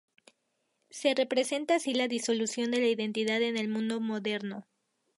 Se representa así la disolución de la identidad en el mundo moderno.